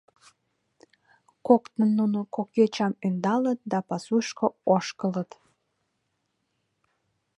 Коктын нуно кок йочам ӧндалыт да пасушко ошкылыт.